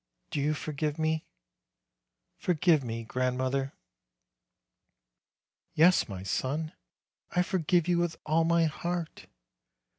Do you forgive me ? Forgive me, grand mother." "Yes, my son, I forgive you with all my heart.